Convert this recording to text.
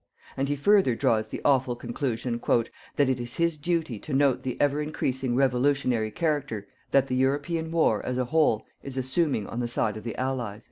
And he further draws the awful conclusion "_that it is his duty to note the ever increasing revolutionary character that the European war, as a whole, is assuming on the side of the Allies_."